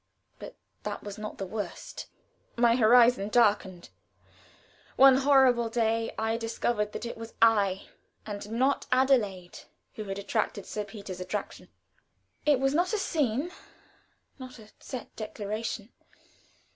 But that was not the worst. My horizon darkened. One horrible day I discovered that it was I, and not Adelaide, who had attracted Sir Peter's attentions. It was not a scene, not a set declaration.